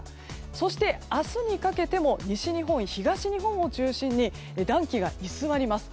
そして明日にかけても西日本、東日本を中心に暖気が居座ります。